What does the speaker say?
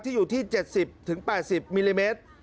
อยู่ที่๗๐๘๐มิลลิเมตร